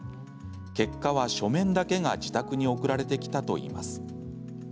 結果は、書面だけが自宅に送られてきたといいます。